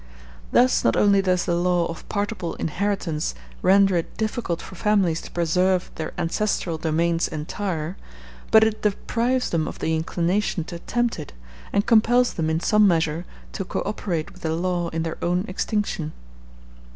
Thus not only does the law of partible inheritance render it difficult for families to preserve their ancestral domains entire, but it deprives them of the inclination to attempt it, and compels them in some measure to co operate with the law in their own extinction.